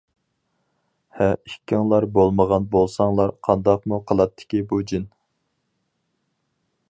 -ھە، ئىككىڭلار بولمىغان بولساڭلار قانداقمۇ قىلاتتىكى بۇ جىن.